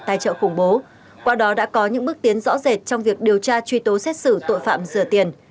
tài trợ khủng bố qua đó đã có những bước tiến rõ rệt trong việc điều tra truy tố xét xử tội phạm rửa tiền